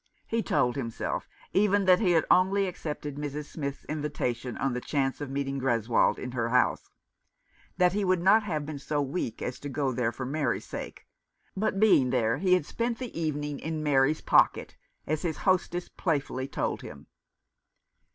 He told himself, even, that he had only accepted Mrs. Smith's invitation on the chance of meeting Greswold in her house ; that he would not have been so weak as to go there for Mary's sake, but being there he had "spent the evening in Mary's pocket," as his hostess playfully told him.